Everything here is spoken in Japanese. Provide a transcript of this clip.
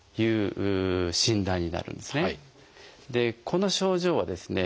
この症状はですね